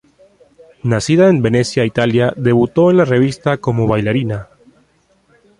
Nacida en Venecia, Italia, debutó en la revista como bailarina.